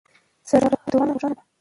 سره هندوانه روښانه ده.